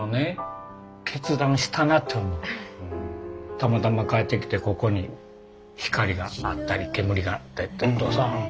たまたま帰ってきてここに光があったり煙があったりとかさ。